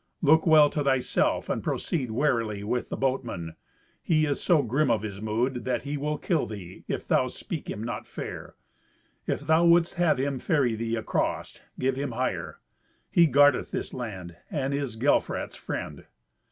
Look well to thyself, and proceed warily with the boatman. He is so grim of his mood that he will kill thee, if thou speak him not fair. If thou wouldst have him ferry thee across, give him hire. He guardeth this land, and is Gelfrat's friend.